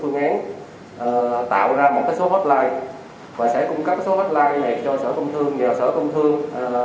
phương án tạo ra một số hotline và sẽ cung cấp số hotline này cho sở công thương và sở công thương